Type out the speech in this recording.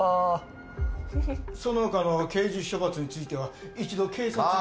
その他の刑事処罰については一度警察に。